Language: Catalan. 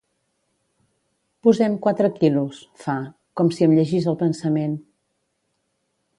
Posem quatre quilos —fa, com si em llegís el pensament.